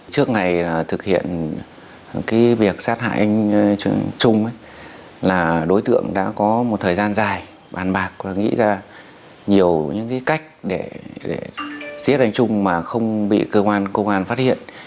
trước ngày thực hiện cái việc sát hại anh trung ấy là đối tượng đã có một thời gian dài bàn bạc và nghĩ ra nhiều những cái cách để xếp anh trung mà không bị cơ quan phát hiện